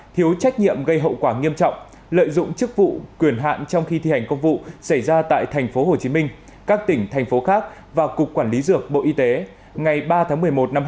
thứ trưởng bộ y tế về tội thiếu trách nhiệm gây hậu quả nghiêm trọng